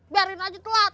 biarin aja telat